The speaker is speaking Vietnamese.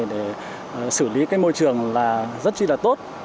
để xử lý cái môi trường là rất chi là tốt